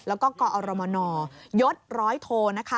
แล้วก็กอรมนยศร้อยโท